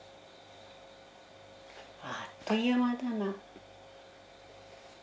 あっという間だな。